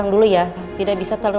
ingat membuat yang bisa dikenali